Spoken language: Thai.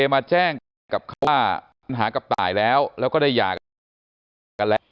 มาแจ้งกับเขาว่ามันหากลับตายแล้วแล้วก็ได้หย่ากันแล้ว